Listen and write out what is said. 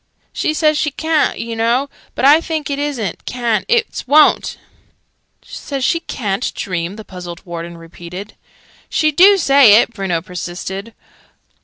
"She says she ca'n't, oo know. But I thinks it isn't ca'n't, it's wo'n't." "Says she ca'n't dream!" the puzzled Warden repeated. "She do say it," Bruno persisted.